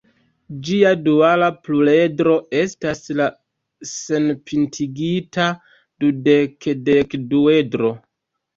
Ĝia duala pluredro estas la senpintigita dudek-dekduedro.